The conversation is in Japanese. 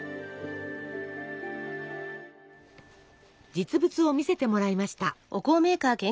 実物を見せてもらいました。